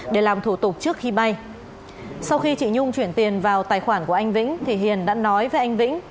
để làm thủ tục trước khi bay sau khi chị nhung chuyển tiền vào tài khoản của anh vĩnh thì hiền đã nói với anh vĩnh